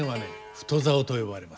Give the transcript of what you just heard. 太棹と呼ばれます。